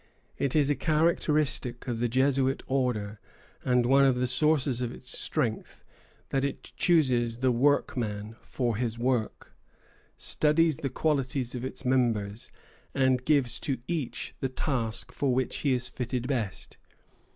It is a characteristic of the Jesuit Order, and one of the sources of its strength, that it chooses the workman for his work, studies the qualities of its members, and gives to each the task for which he is fitted best.